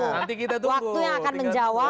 waktunya akan menjawab